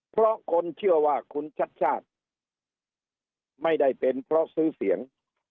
เพราะคนเชื่อว่าคุณชัดชาติไม่ได้เป็นเพราะซื้อเสียง